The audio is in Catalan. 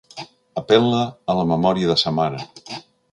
Apel·la a la memòria de sa mare.